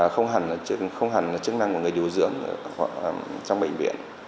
không hẳn là chức năng của người điều dưỡng trong bệnh viện